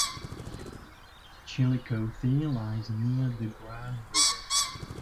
Chillicothe lies near the Grand River.